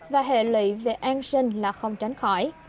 và hệ lụy về an sinh là không tránh khỏi